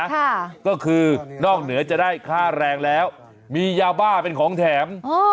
ค่ะก็คือนอกเหนือจะได้ค่าแรงแล้วมียาบ้าเป็นของแถมอ๋อ